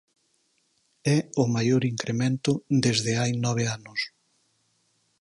É o maior incremento desde hai nove anos.